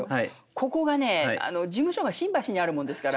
ここがね事務所が新橋にあるもんですから。